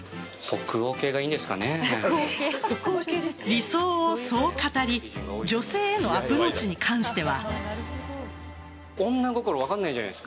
理想をそう語り女性へのアプローチに関しては。